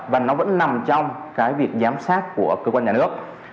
và nó vẫn nằm trong cái việc giám sát của cơ quan nhà nước